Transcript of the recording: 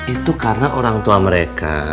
itu karena orang tua mereka